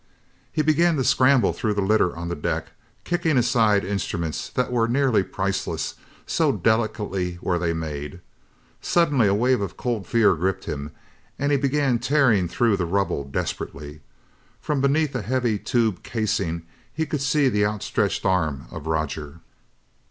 He began to scramble through the litter on the deck, kicking aside instruments that were nearly priceless, so delicately were they made. Suddenly a wave of cold fear gripped him and he began tearing through the rubble desperately. From beneath a heavy tube casing, he could see the outstretched arm of Roger.